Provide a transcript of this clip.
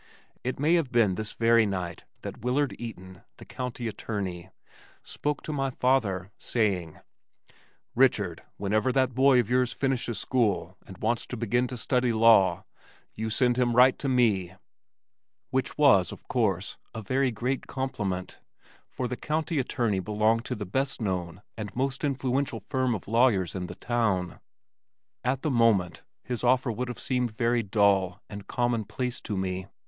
It may have been this very night that Willard Eaton, the county attorney, spoke to my father saying, "Richard, whenever that boy of yours finishes school and wants to begin to study law, you send him right to me," which was, of course, a very great compliment, for the county attorney belonged to the best known and most influential firm of lawyers in the town. At the moment his offer would have seemed very dull and commonplace to me.